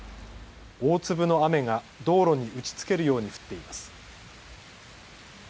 大粒の雨が道路に打ちつけるように降っています。